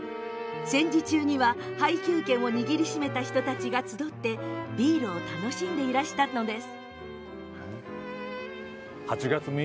戦時中には、配給券を握りしめた人たちが集ってビールを楽しんでいたのです。